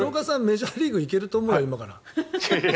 鶴岡さん、メジャーリーグ行けると思うよ、今から。